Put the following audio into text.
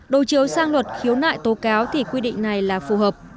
đầu chiếu sang luật khiếu nại tố cáo thì quy định này là phù hợp